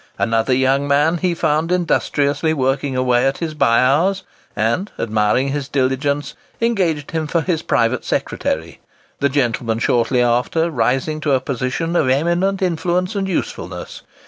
Another young man he found industriously working away at his bye hours, and, admiring his diligence, engaged him for his private secretary, the gentleman shortly after rising to a position of eminent influence and usefulness.